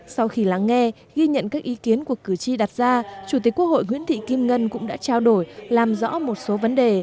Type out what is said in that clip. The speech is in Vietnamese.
sau khi lắng nghe ghi nhận các ý kiến của cử tri đặt ra chủ tịch quốc hội nguyễn thị kim ngân cũng đã trao đổi làm rõ một số vấn đề